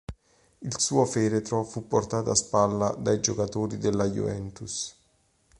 Il suo feretro fu portato a spalla dai giocatori della Juventus.